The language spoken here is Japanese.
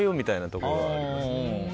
ところはあります。